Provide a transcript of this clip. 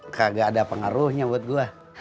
nggak ada pengaruhnya buat gue